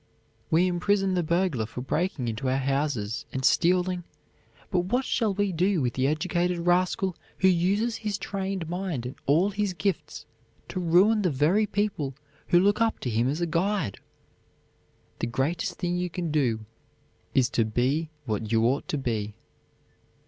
We imprison the burglar for breaking into our houses and stealing, but what shall we do with the educated rascal who uses his trained mind and all his gifts to ruin the very people who look up to him as a guide? "The greatest thing you can do is to be what you ought to be."